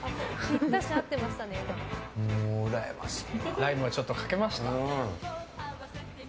ライムをちょっとかけました。